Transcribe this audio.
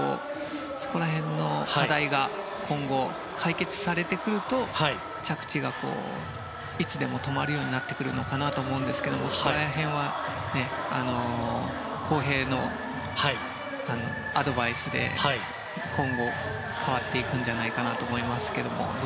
そこら辺の課題が今後解決されてくると着地がいつでも止まるようになってくるのかなと思うんですけれどもそこら辺は航平のアドバイスで今後、変わっていくんじゃないかなと思います。